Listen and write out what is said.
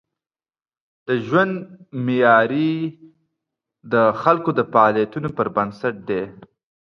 د ژوند معیاري د خلکو د فعالیتونو پر بنسټ دی.